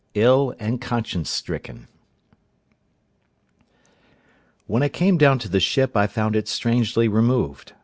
ILL AND CONSCIENCE STRICKEN When I came down to the ship I found it strangely removed.